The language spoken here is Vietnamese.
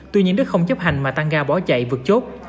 tuy nhiên đức không chấp hành mà tăng ga bỏ chạy vượt chốt